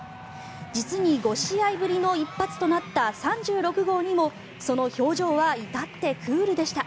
実に５試合ぶりの一発となった３６号にもその表情は至ってクールでした。